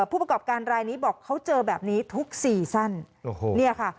ผู้ประกอบการรายนี้บอกเขาเจอแบบนี้ทุกซีซั่นโอ้โหเนี่ยค่ะ